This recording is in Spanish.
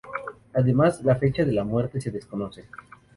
Además, la fecha de la muerte se desconoce.